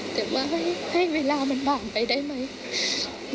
แต่ว่าให้เวลามันผ่านไปได้ไหม